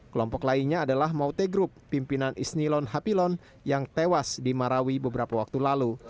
kelompok lainnya adalah maute group pimpinan isnilon hapilon yang tewas di marawi beberapa waktu lalu